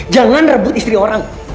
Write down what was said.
jangan rebut istri orang